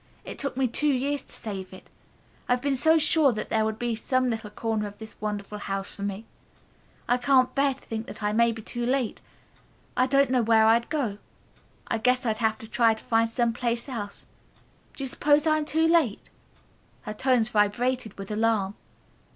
"It took me two years to save it, I have been so sure that there would be some little corner of this wonderful house for me. I can't bear to think that I may be too late. I don't know where I'd go. I guess I'd have to try to find some place else. Do you suppose I am too late?" Her tones vibrated with alarm.